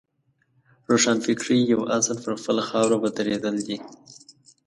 روښانفکرۍ یو اصل پر خپله خاوره ودرېدل دي.